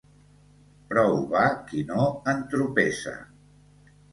Prou va qui no entropessa.